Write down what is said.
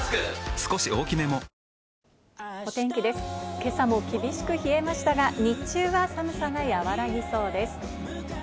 今朝も厳しく冷えましたが日中は寒さが和らぎそうです。